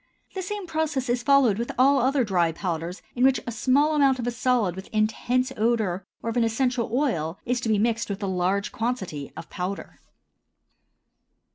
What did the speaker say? The same process is followed with all other dry powders in which a small amount of a solid with intense odor or of an essential oil is to be mixed with a large quantity of powder.